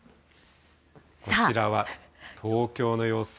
こちらは東京の様子。